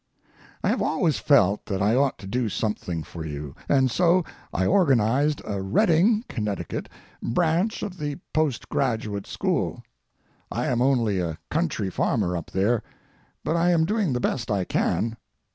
I have always felt that I ought to do something for you, and so I organized a Redding (Connecticut) branch of the Post Graduate School. I am only a country farmer up there, but I am doing the best I can.